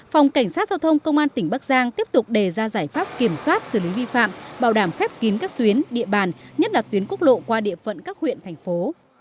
phòng cảnh sát giao thông công an tỉnh bắc giang tiếp tục đề ra giải pháp kiểm soát xử lý vi phạm bảo đảm khép kín các tuyến địa bàn nhất là tuyến quốc lộ qua địa phận các huyện thành phố